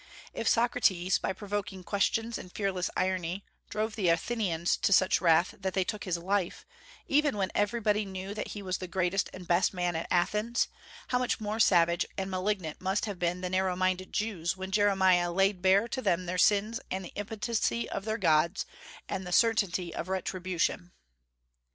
If Socrates, by provoking questions and fearless irony, drove the Athenians to such wrath that they took his life, even when everybody knew that he was the greatest and best man at Athens, how much more savage and malignant must have been the narrow minded Jews when Jeremiah laid bare to them their sins and the impotency of their gods, and the certainty of retribution!